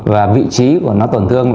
và vị trí của nó tổn thương